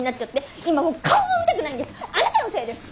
あなたのせいです！